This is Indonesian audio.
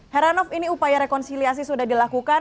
heranov ini upaya rekonsiliasi sudah dilakukan